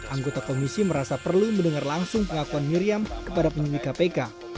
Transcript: anggota komisi merasa perlu mendengar langsung pengakuan miriam kepada penyidik kpk